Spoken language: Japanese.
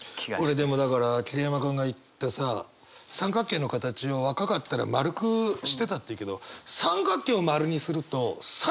これでもだから桐山君が言ったさ「三角形の形を若かったら円くしてた」って言うけど三角形を円にするとサイズ小さくなるんだよね。